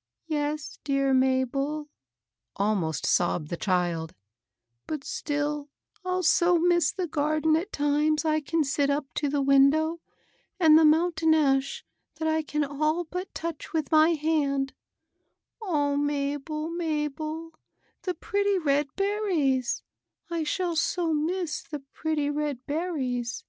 " Yes, dear Mabel," almost sobbed the child ;" but still I'll so miss the garden at times I can sit up to the window, and the mountain ash that I can all but touch with my hand I Mabel, Mabel I the pretty red berries 1 — I shall so miss the pretty red berries